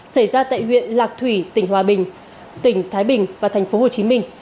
xảy ra tại huyện lạc thủy tp hòa bình tp thái bình và tp hồ chí minh